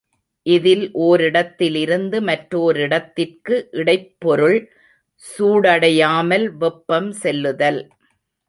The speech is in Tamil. இதில் ஒரிடத்திலிருந்து மற்றோரிடத்திற்கு இடைப் பொருள் சூடடையாமல் வெப்பம் செல்லுதல்.